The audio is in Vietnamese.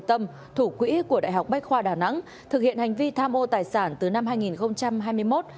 tâm thủ quỹ của đại học bách khoa đà nẵng thực hiện hành vi tham ô tài sản từ năm hai nghìn hai mươi một